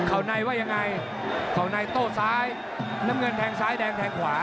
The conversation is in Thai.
เขาในว่ายังไงเขาในโต้ซ้ายน้ำเงินแทงซ้ายแดงแทงขวา